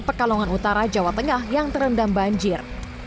pekalongan utara jawa tengah yang terendam banjir